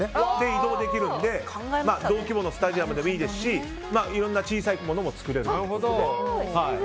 移動できるので、同規模のスタジアムでもいいですしいろんな小さいものも作れるということで。